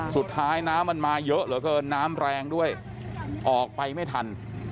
น้ำมันมาเยอะเหลือเกินน้ำแรงด้วยออกไปไม่ทัน